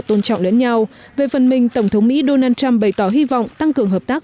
tôn trọng lẫn nhau về phần mình tổng thống mỹ donald trump bày tỏ hy vọng tăng cường hợp tác